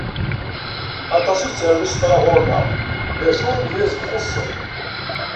Aṭas i yettarun isefra ɣur-neɣ, d acu imedyazen xuṣṣen.